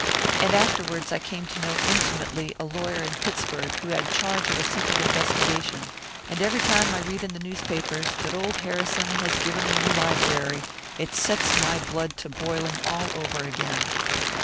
And afterwards I came to know intimately a lawyer in Pittsburg who had charge of a secret investigation; and every time I read in the newspapers that old Harrison has given a new library, it sets my blood to boiling all over again."